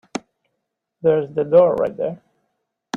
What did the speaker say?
There's the door right there.